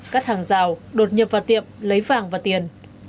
cắt hàng rào đột nhập vào tiệm lấy vàng và tiền